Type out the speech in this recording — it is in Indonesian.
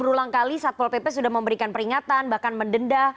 berulang kali satpol pp sudah memberikan peringatan bahkan mendenda